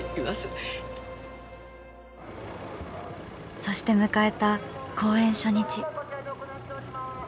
そして迎えた公演初日。